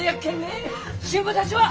信吾たちは？